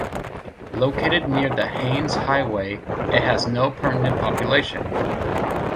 Located near the Haines Highway, it has no permanent population.